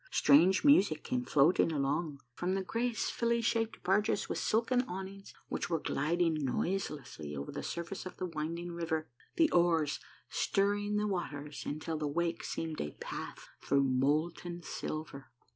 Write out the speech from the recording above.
Strange music came floating along from the gracefully shaped barges with silken awnings, which were gliding noiselessly over the surface of the winding river, the oars stirring the waters until the wake seemed a path through molten silver.